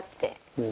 うん。